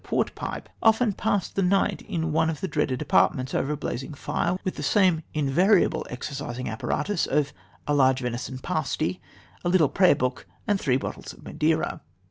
Portpipe often passed the night in one of the dreaded apartments over a blazing fire, with the same invariable exorcising apparatus of a large venison pasty, a little prayer book, and three bottles of Madeira.